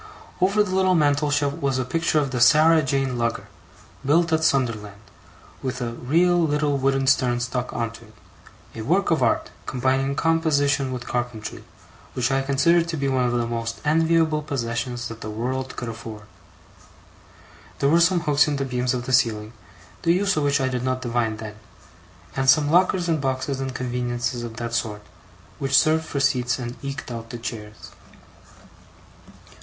Over the little mantelshelf, was a picture of the 'Sarah Jane' lugger, built at Sunderland, with a real little wooden stern stuck on to it; a work of art, combining composition with carpentry, which I considered to be one of the most enviable possessions that the world could afford. There were some hooks in the beams of the ceiling, the use of which I did not divine then; and some lockers and boxes and conveniences of that sort, which served for seats and eked out the chairs.